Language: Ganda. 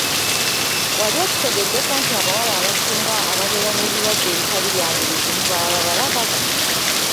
Wali okitegeddeko nti abawala abasinga ababeera n’ebirwadde ebitali bya ngeri zimu baba babalagavu ?